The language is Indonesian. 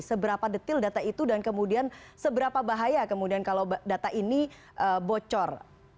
seberapa detail data itu dan kemudian seberapa bahaya kemudian kalau data ini bocor